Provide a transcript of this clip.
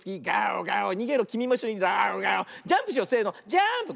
ジャーンプ！